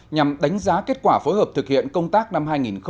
nhằm đánh giá kết quả phối hợp thực hiện công tác năm hai nghìn một mươi tám